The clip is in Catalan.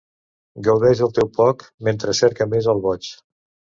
Gaudeix del teu poc, mentre cerca més el boig.